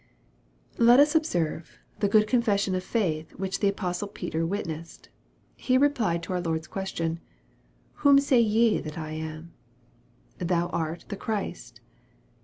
Let us observe the good confession of faith which the apostle Peter witnessed. He replied to our Lord's question, " Whom say ye that I am ?"" Thou art the Christ."